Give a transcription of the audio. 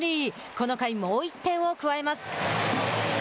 この回、もう一点を加えます。